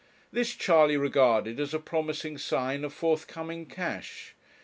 This Charley regarded as a promising sign of forthcoming cash.